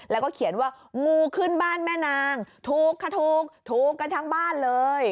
แล้วก็เขียนว่างูขึ้นบ้านแม่นางถูกค่ะถูกถูกกันทั้งบ้านเลย